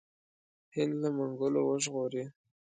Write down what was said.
هند له منګولو وژغوري.